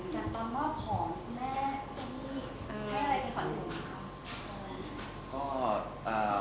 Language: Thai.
แต่เห็นกันตอนมอบของแม่ที่ให้อะไรที่ขวัญคุณคะ